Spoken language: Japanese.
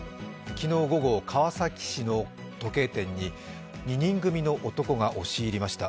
昨日午後、川崎市の時計店に２人組の男が押し入りました。